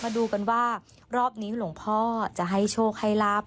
มาดูกันว่ารอบนี้หลวงพ่อจะให้โชคให้ลาบ